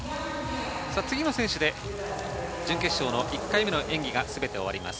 次の選手で準決勝の１回目の演技がすべて終わります。